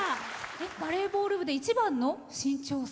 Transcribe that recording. バレーボール部で一番の身長差？